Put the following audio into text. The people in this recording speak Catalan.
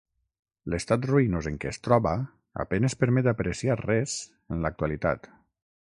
L'estat ruïnós en què es troba a penes permet apreciar res, en l'actualitat.